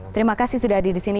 terima kasih sudah hadir di sini